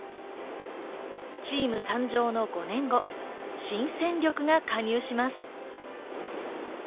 チーム誕生の５年後、新戦力が加入します。